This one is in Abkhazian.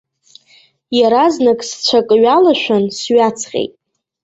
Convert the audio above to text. Иаразнак сцәа акы ҩалашәан, сҩаҵҟьеит.